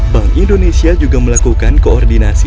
bank indonesia juga melakukan koordinasi